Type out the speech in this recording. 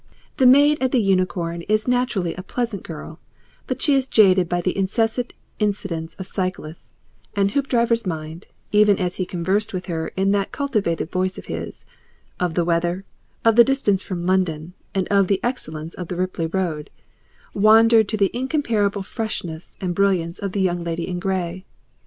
The maid at the Unicorn is naturally a pleasant girl, but she is jaded by the incessant incidence of cyclists, and Hoopdriver's mind, even as he conversed with her in that cultivated voice of his of the weather, of the distance from London, and of the excellence of the Ripley road wandered to the incomparable freshness and brilliance of the Young Lady in Grey.